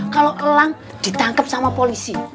kalau elang ditangkap sama polisi